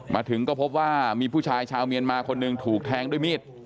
มาถึงก็พบว่ามีผู้ชายชาวเมียนมาคนหนึ่งถูกแทงด้วยมีด